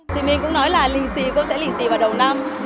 thì mình cũng nói là lì xì cũng sẽ lì xì vào đầu năm